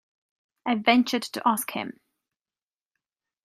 I ventured to ask him.